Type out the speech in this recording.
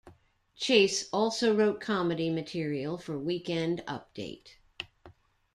Chase also wrote comedy material for Weekend Update.